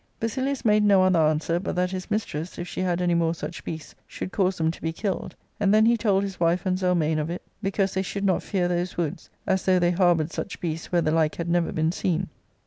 Basilius made no other answer but that his mistress, if she had any more such beasts, should cause them to be killed ; and then he told his wife and Zelmane of it, because they should not fear those woods, as though they harboured such beasts where the like had never been seen.